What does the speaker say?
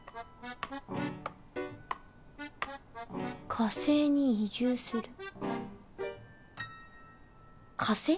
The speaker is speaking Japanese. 火星に移住する火星？